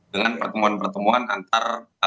dengan pertemuan pertemuan antar